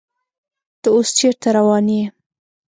ته اوس چیرته روان یې؟